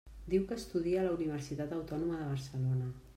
Diu que estudia a la Universitat Autònoma de Barcelona.